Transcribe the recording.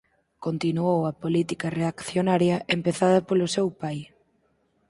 Continuou a política reaccionaria empezada polo seu pai.